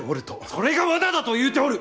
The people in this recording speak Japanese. それが罠だと言うておる！